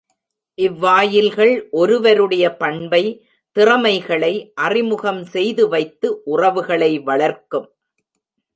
இவ்வாயில்கள் ஒருவருடைய பண்பை, திறமைகளை அறிமுகம் செய்து வைத்து உறவுகளை வளர்க்கும்.